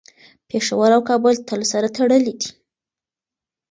پېښور او کابل تل سره تړلي دي.